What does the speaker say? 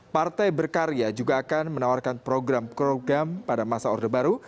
partai berkarya juga akan menawarkan program program pada masa orde baru